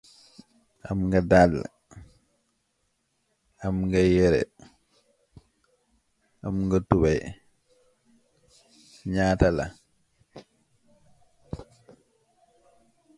Inside, a "Symphony Sound" stereo cassette tape system was available.